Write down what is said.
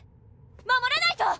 守らないと！